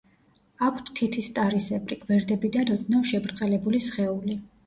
აქვთ თითისტარისებრი, გვერდებიდან ოდნავ შებრტყელებული სხეული.